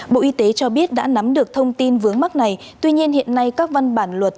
bộ y tế cho biết đã nắm được thông tin vướng mắt này tuy nhiên hiện nay các văn bản luật